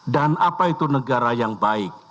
dan apa itu negara yang baik